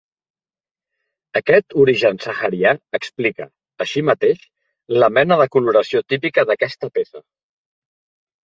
Aquest origen saharià explica, així mateix, la mena de coloració típica d'aquesta peça.